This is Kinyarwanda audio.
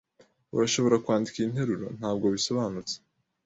Urashobora kwandika iyi nteruro. Ntabwo bisobanutse.